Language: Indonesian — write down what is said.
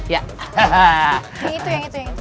yang itu yang itu